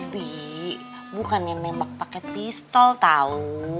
bi bukan yang nembak pakai pistol tahu